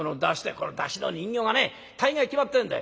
「この山車の人形がね大概決まってんだよ。